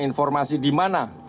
informasi di mana